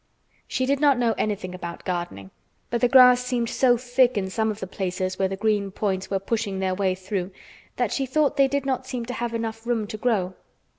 She did not know anything about gardening, but the grass seemed so thick in some of the places where the green points were pushing their way through that she thought they did not seem to have room enough to grow.